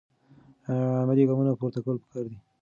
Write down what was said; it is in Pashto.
عملي ګامونه پورته کول پکار دي.